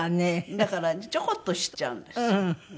だからちょこっとしちゃうんですよ。